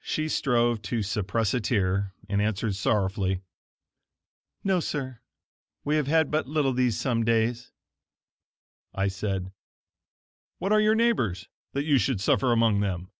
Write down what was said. She strove to suppress a tear, and answered sorrowfully: "No sir; we have had but little these some days." I said: "What are your neighbors, that you should suffer among them?"